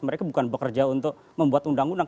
mereka bukan bekerja untuk membuat undang undang